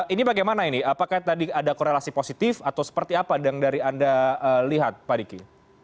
ini bagaimana ini apakah tadi ada korelasi positif atau seperti apa yang dari anda lihat pak diki